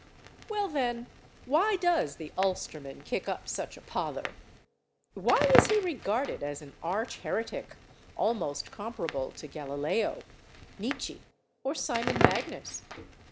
Well, then, why does the Ulsterman kick up such a pother? Why is he regarded as an arch heretic, almost comparable to Galileo, Nietzsche or Simon Magnus?